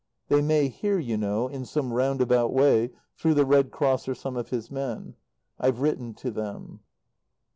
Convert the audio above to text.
They may hear, you know, in some roundabout way through the Red Cross, or some of his men. I've written to them.